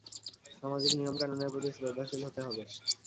সামাজিক নিয়মকানুনগুলোর প্রতি শ্রদ্ধাশীল হতে হবে।